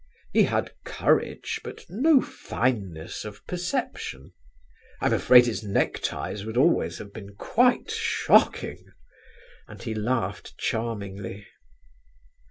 He had courage but no fineness of perception. I'm afraid his neckties would always have been quite shocking!" and he laughed charmingly.